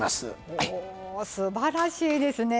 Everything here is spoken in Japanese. おおすばらしいですね。